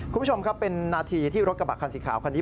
คุณผู้ชมครับเป็นนาทีที่รถกระบะคันสีขาวคันนี้